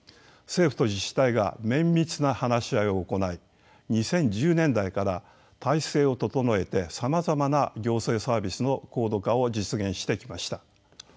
政府と自治体が綿密な話し合いを行い２０１０年代から体制を整えてさまざまな行政サービスの高度化を実現してきました。